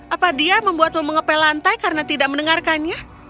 apa dia membuatmu mengepel lantai karena tidak mendengarkannya